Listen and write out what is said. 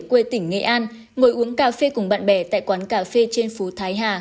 quê tỉnh nghệ an ngồi uống cà phê cùng bạn bè tại quán cà phê trên phố thái hà